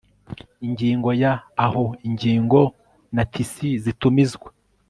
Ingigo ya Aho ingingo na tisi zitumizwa